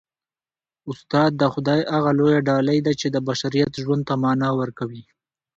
استاد د خدای هغه لویه ډالۍ ده چي د بشریت ژوند ته مانا ورکوي.